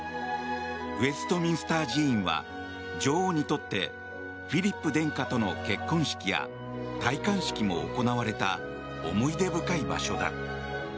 ウェストミンスター寺院は女王にとってフィリップ殿下との結婚式や戴冠式も行われた思い出深い場所だ。